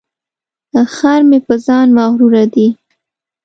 خر مې په ځان مغروره دی.